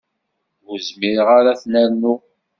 Ur zmireɣ ara ad ten-rnuɣ.